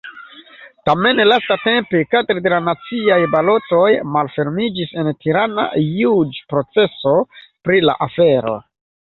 Tamen lastatempe, kadre de naciaj balotoj, malfermiĝis en Tirana juĝproceso pri la afero.